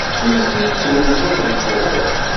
Ur ten-id-ttruẓuɣ deg wawal.